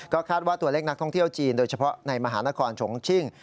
คาดว่าตัวเลขนักท่องเที่ยวจีนโดยเฉพาะในมหานครชงชิ่ง